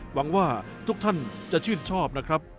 หวังว่าทุกท่านจะชื่นชอบนะครับ